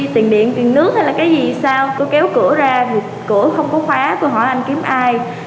trước hay là cái gì sao tôi kéo cửa ra thì cửa không có khóa tôi hỏi anh kiếm ai